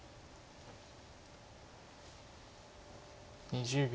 ２０秒。